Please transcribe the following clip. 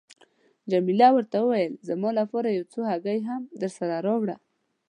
جميله ورته وویل: زما لپاره یو څو هګۍ هم درسره راوړه.